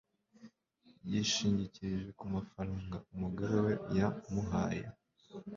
Yishingikirije kumafaranga umugore we ya muhaye